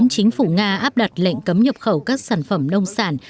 chính phủ nga áp đặt lệnh cấm nhập khẩu các sản phẩm nông sản